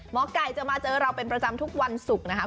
หมอไก่จะมาเจอเราเป็นประจำทุกวันศุกร์นะคะ